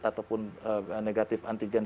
ataupun negatif antigen